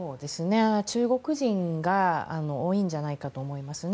中国人が多いんじゃないかと思いますね。